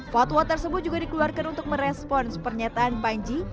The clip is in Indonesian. fatwa tersebut juga dikeluarkan untuk merespons pernyataan panji